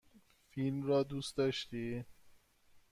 فیلم را دوست داشتی؟